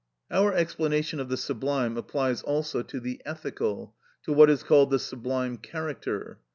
Our explanation of the sublime applies also to the ethical, to what is called the sublime character.